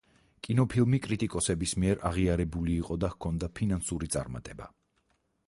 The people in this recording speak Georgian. კინოფილმი კრიტიკოსების მიერ აღიარებული იყო და ჰქონდა ფინანსური წარმატება.